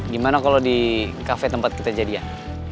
gimana kalau di kafe tempat kita jadian